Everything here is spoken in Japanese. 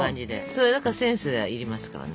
それだからセンスが要りますからね。